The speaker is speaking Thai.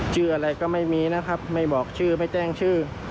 ชื่ออะไรก็ไม่มีนะครับไม่บอกชื่อไม่แจ้งชื่อ